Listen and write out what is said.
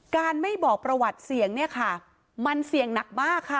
การไม่บอกประวัติเสี่ยงเนี่ยค่ะมันเสี่ยงหนักมากค่ะ